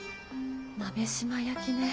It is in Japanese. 鍋島焼ね。